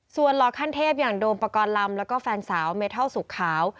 ส่วนรอขั้นเทพอย่างโดมประกอลลำและแฟนสาวเมเท่าสุขขาว